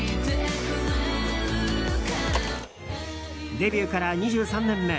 デビューから２３年目。